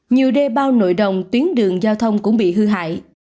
nhiều đê bao nội đồng tuyến đường giao thông cũng bị hư hại